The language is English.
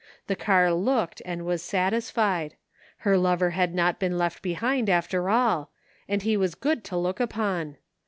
The car looked and was satisfied. Her lover had not been left behind after all, and he was good to look upon.